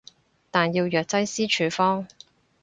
但要藥劑師處方